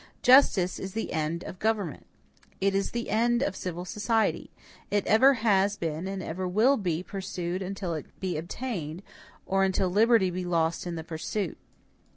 Justice is the end of government. It is the end of civil society. It ever has been and ever will be pursued until it be obtained, or until liberty be lost in the pursuit.